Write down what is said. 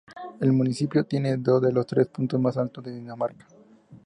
El municipio tiene dos de los tres puntos más altos de Dinamarca.